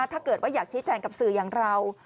ถ้าเกิดว่าอยากชี้แจงกับสื่ออย่างเรา